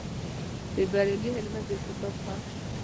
د بریالي هلمند یو کتاب خوښ شو.